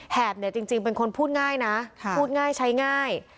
แหบเนี่ยจริงเป็นคนพูดง่ายนะพูดง่ายใช้ง่าย